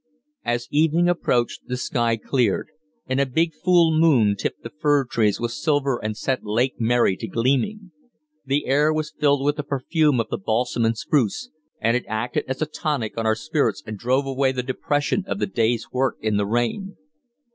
As evening approached the sky cleared, and a big full moon tipped the fir trees with silver and set Lake Mary to gleaming. The air was filled with the perfume of the balsam and spruce, and it acted as a tonic on our spirits and drove away the depression of the day's work in the rain.